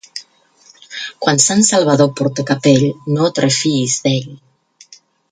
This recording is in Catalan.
Quan Sant Salvador porta capell, no et refiïs d'ell.